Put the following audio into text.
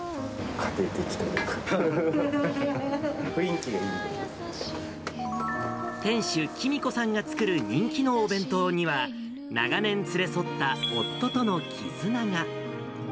家庭的というか、雰囲気がい店主、喜美子さんが作る人気のお弁当には、長年連れ添った夫との絆が。